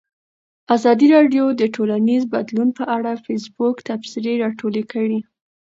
ازادي راډیو د ټولنیز بدلون په اړه د فیسبوک تبصرې راټولې کړي.